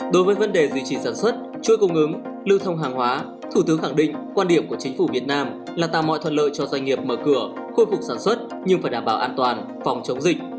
đối với vấn đề duy trì sản xuất chuỗi cung ứng lưu thông hàng hóa thủ tướng khẳng định quan điểm của chính phủ việt nam là tạo mọi thuận lợi cho doanh nghiệp mở cửa khôi phục sản xuất nhưng phải đảm bảo an toàn phòng chống dịch